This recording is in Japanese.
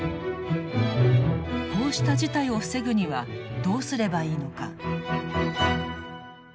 こうした事態を防ぐにはどうすればいいのか。